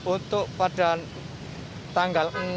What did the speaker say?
untuk pada tanggal enam